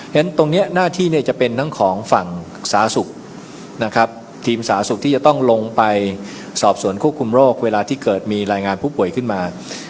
งั้นตรงนี้หน้าที่จะเป็นทั้งของฝั่งสาศุกร์ทีมสาศุกร์ที่จะต้องลงไปสอบส่วนควบคุมโรคเวลาที่เกิดมีรายงานผู้ป่วยขึ้นมา